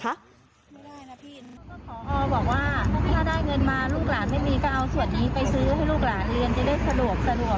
พ่อบอกว่าถ้าได้เงินมาลูกหลานไม่มี